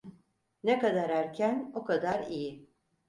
Ne kadar erken, o kadar iyi.